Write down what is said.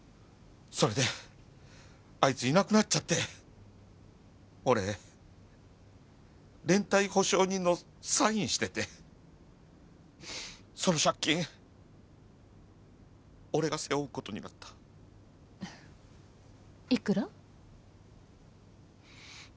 それであいついなくなっちゃって俺連帯保証人のサインしててその借金俺が背負うことになったいくら？